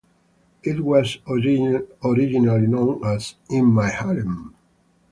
It was originally known as "In My Harem".